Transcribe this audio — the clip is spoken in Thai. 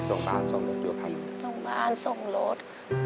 ส่งบ้านส่งรถ